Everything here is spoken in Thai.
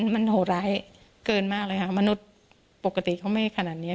มันโหดร้ายเกินมากเลยค่ะมนุษย์ปกติเขาไม่ขนาดนี้